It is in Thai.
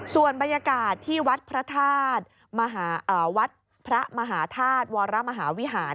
ส่วนบรรยากาศที่วัดพระมหาธาตุวรมหาวิหาร